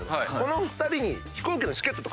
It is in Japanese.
その２人に。